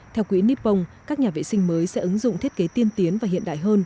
theo quỹ nippon các nhà vệ sinh mới sẽ ứng dụng thiết kế tiên tiến và hiện đại hơn